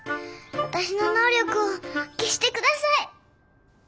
私の能力を消して下さい！